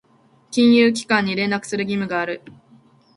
金融機関に連絡する義務がある。